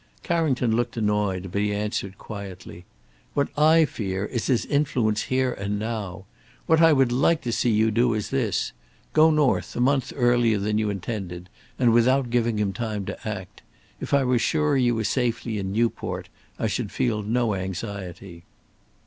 Carrington looked annoyed, but he answered quietly, "What I fear is his influence here and now. What I would like to see you do is this: go north a month earlier than you intended, and without giving him time to act. If I were sure you were safely in Newport, I should feel no anxiety."